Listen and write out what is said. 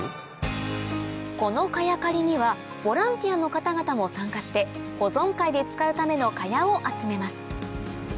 この茅刈りにはボランティアの方々も参加して保存会で使うための茅を集めます